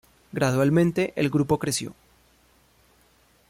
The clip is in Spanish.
Gradualmente, el grupo creció.